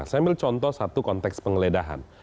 saya ambil contoh satu konteks penggeledahan